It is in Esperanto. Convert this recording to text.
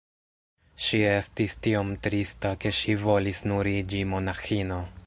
Ŝi estis tiom trista ke ŝi volis nur iĝi monaĥino.